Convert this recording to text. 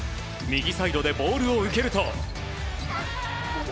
右サイドでボールを受けると。